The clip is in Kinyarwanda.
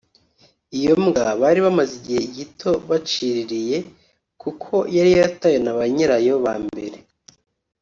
Iyi mbwa bari bamaze igihe gito baciririye kuko yari yaratawe na ba nyirayo ba mbere